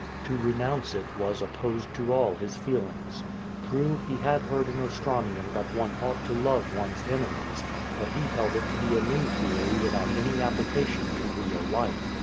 To renounce it was opposed to all his feel ings. True, he had heard in Ostranium that one ought to love one's enemies, but he held it to be a new theory without any application to real life.